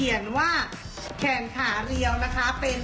มีความรู้สึกว่ามีความรู้สึกว่ามีความรู้สึกว่า